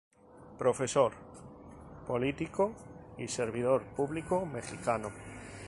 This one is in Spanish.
Profesor, político y servidor público mexicano.